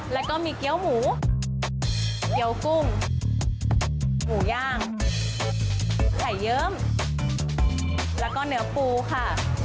แล้วก็มีเกี้ยวหมูเกี้ยวกุ้งหมูย่างไข่เยิ้มแล้วก็เนื้อปูค่ะ